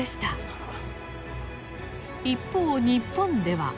一方日本では。